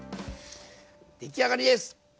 出来上がりです！